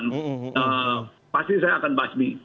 nah pasti saya akan basmi